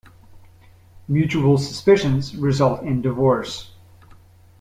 Mutual suspicions result in divorce.